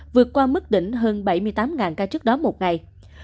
vượt qua mức đỉnh hơn bảy mươi tám ca trước đó một ngày